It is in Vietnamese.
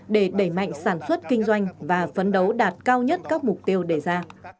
để đẩy mạnh sản xuất kinh doanh và phấn đấu đạt cao nhất các mục tiêu đề ra